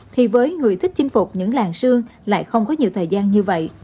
thì với người thích chinh phục những làng xương lại không có nhiều thời gian như vậy